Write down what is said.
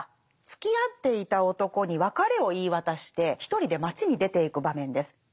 つきあっていた男に別れを言い渡して一人で街に出ていく場面です。